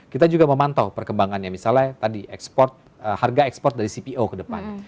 kita juga memantau perkembangannya misalnya tadi ekspor harga ekspor dari cpo ke depan